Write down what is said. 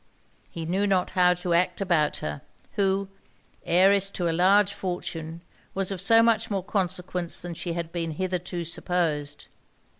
He knew not how to act about her; who, heiress to a large fortune, was of so much more consequence than she had been hitherto supposed.